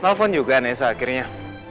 telfon juga nesa akhirnya